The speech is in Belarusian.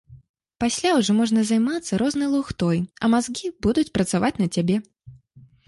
Пасля ўжо можна займацца рознай лухтой, а мазгі будуць працаваць на цябе.